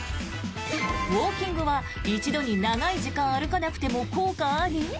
ウォーキングは一度に長い時間歩かなくても効果あり？